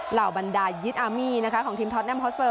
เหล่าบรรดายิตอาร์มี่นะคะของทีมท็อตแมมฮอสเวอร์